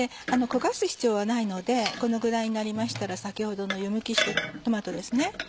焦がす必要はないのでこのぐらいになりましたら先ほどの湯むきしたトマトですね